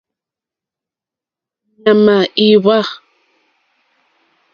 Ɲàmà í hwǎ.